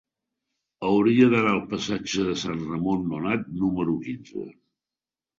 Hauria d'anar al passatge de Sant Ramon Nonat número quinze.